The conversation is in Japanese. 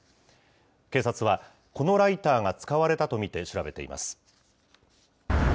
警察は、このライターが使われたと見て調べています。